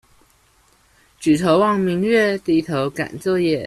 舉頭望明月，低頭趕作業